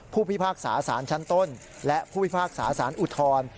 พิพากษาสารชั้นต้นและผู้พิพากษาสารอุทธร